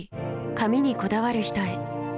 髪にこだわる人へ。